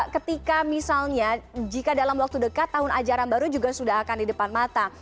ketika misalnya jika dalam waktu dekat tahun ajaran baru juga sudah akan di depan mata